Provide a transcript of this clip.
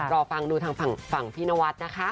รอฟังดูทางฝั่งพี่นวัดนะคะ